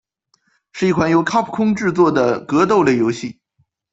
是一款由卡普空制作的格斗类游戏。